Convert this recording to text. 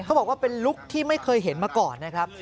บอกว่าเป็นลุคที่ไม่เคยเห็นมาก่อนนะครับ